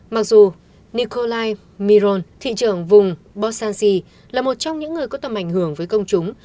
mặc dù nikolai miron thị trưởng vùng bossani là một trong những người có tầm ảnh hưởng với công chúng